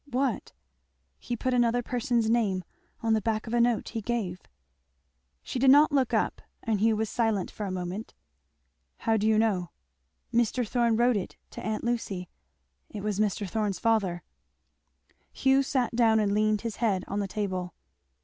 "What?" "He put another person's name on the back of a note he gave." She did not look up, and Hugh was silent for a moment. "How do you know?" "Mr. Thorn wrote it to aunt Lucy it was Mr. Thorn's father." Hugh sat down and leaned his head on the table.